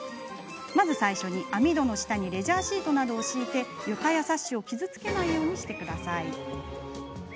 最初に、網戸の下にレジャーシートなどを敷いて床やサッシを傷つけないようにしてください。